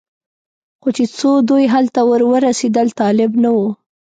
خو چې څو دوی هلته ور ورسېدل طالب نه و.